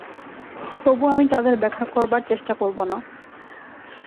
তবু আমি তাদের ব্যাখ্যা করবার চেষ্টা করব না।